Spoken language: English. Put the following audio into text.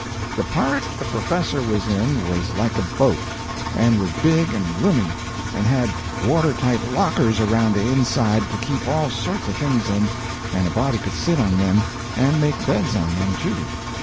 The part the professor was in was like a boat, and was big and roomy, and had water tight lockers around the inside to keep all sorts of things in, and a body could sit on them, and make beds on them, too.